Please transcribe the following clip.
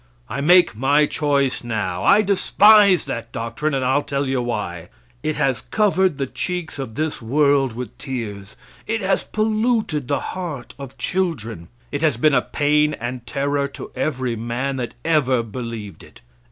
I make my choice now. I despise that doctrine, and I'll tell you why. It has covered the cheeks of this world with tears. It has polluted the heart of children. It has been a pain and terror to every man that ever believed it.